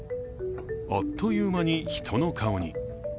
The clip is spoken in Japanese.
あっという間に人の顔に。